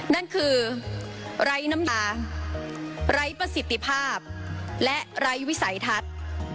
นั่นคือไร้น้ำตาไร้ประสิทธิภาพและไร้วิสัยทัศน์